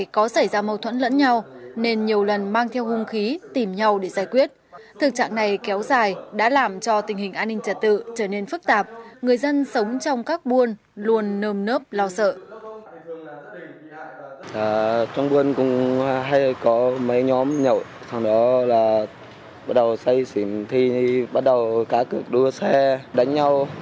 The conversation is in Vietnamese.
cũng như thường xuyên